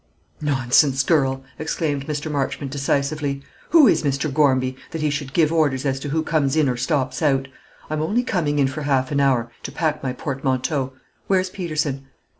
"Nonsense, girl!" exclaimed Mr. Marchmont, decisively; "who is Mr. Gormby, that he should give orders as to who comes in or stops out? I'm only coming in for half an hour, to pack my portmanteau. Where's Peterson?"